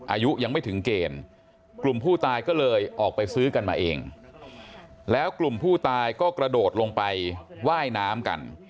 อายุยังไม่ถึงเกณฑ์กลุ่มผู้ตายก็เลยออกไปซื้อกันมาเองแล้วกลุ่มผู้ตายก็กระโดดลงไปว่ายน้ำกัน